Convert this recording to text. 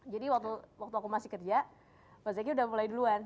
waktu aku masih kerja mas zaky udah mulai duluan